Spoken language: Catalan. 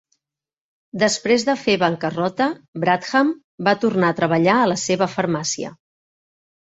Després de fer bancarrota, Bradham va tornar a treballar a la seva farmàcia.